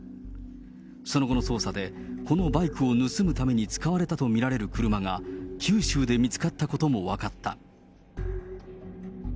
その後の捜査で、このバイクを盗むために使われたと見られる車が、九州で見つかったことも分かった。